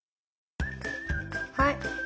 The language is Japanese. はい！